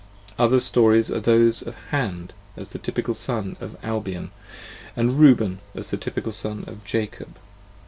Other stories are those of Hand as the typical Son of Albion, aud Reuben as the typical Son of Jacob (pp.